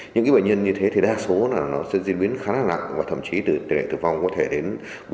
những bệnh nhân như thế thì đa số nó sẽ diễn biến khá là nặng và thậm chí từ tỉ lệ tử vong có thể đến bốn mươi năm mươi